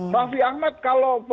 raffi ahmad kalau pemerintah